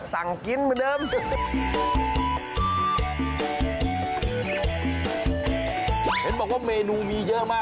สั่งกินเหมือนเดิม